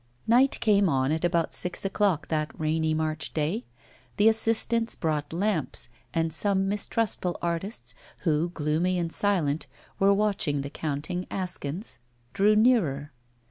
Night came on at about six o'clock that rainy March day. The assistants brought lamps; and some mistrustful artists, who, gloomy and silent, were watching the counting askance, drew nearer.